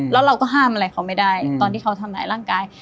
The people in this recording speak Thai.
แล้วเราก็ห้ามอะไรเขาไม่ได้ตอนที่เขาทำร้ายร่างกาย